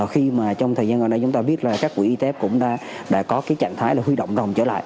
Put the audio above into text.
khi mà trong thời gian gần đây chúng ta biết là các quỹ y tế cũng đã có cái trạng thái là huy động rồng trở lại